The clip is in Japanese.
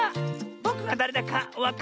ぼくはだれだかわかるセミ？